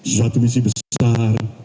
suatu misi besar